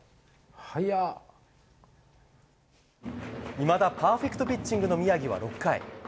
いまだパーフェクトピッチングの宮城は６回。